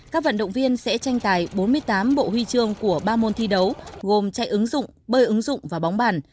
các vận động viên sẽ tranh tài bốn mươi tám bộ huy chương của ba môn thi đấu gồm chạy ứng dụng bơi ứng dụng và bóng bàn